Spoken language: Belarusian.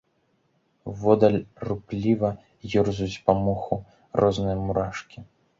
Воддаль рупліва ёрзаюць па моху розныя мурашкі.